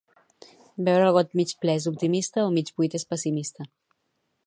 Veure el got mig ple és optimista o mig buit és pessimista